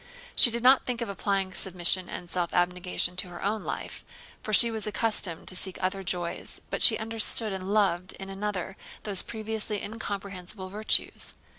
She did not think of applying submission and self abnegation to her own life, for she was accustomed to seek other joys, but she understood and loved in another those previously incomprehensible virtues.